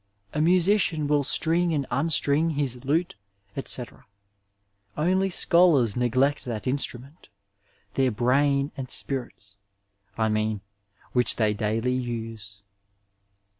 a musician will string and unstring his lute, eto« ; only scholars neglect that instrument, their brain and spirits (I mean) which they daily use."